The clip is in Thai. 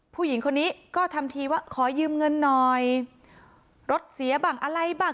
ผู้หญิงคนนี้ก็ทำทีว่าขอยืมเงินหน่อยรถเสียบ้างอะไรบ้าง